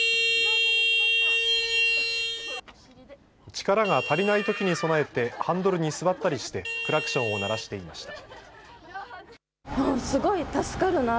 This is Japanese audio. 力が足りないときに備えてハンドルに座ったりしてクラクションを鳴らしていました。